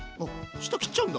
下切っちゃうんだ！